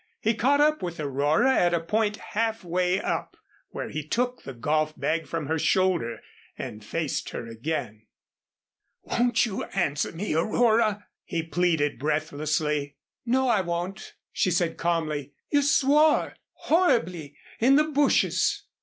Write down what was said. He caught up with Aurora at a point half way up where he took the golf bag from her shoulder and faced her again. "Won't you answer me, Aurora?" he pleaded, breathlessly. "No, I won't," she said, calmly. "You swore horribly in the bushes."